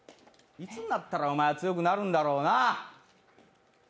いつになったらおまえは強くなるんだろうな。